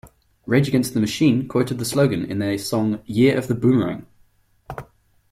Rage Against the Machine quoted the slogan in their song "Year of tha Boomerang".